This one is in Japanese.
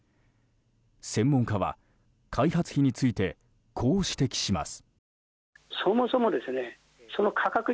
専門家は開発費についてこう指摘します。